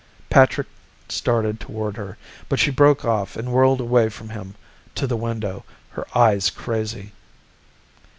Patrick started toward her, but she broke off and whirled away from him to the window, her eyes crazy.